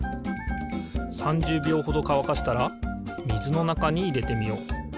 ３０びょうほどかわかしたらみずのなかにいれてみよう。